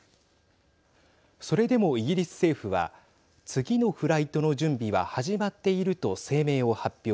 それでもイギリス政府は次のフライトの準備は始まっていると声明を発表。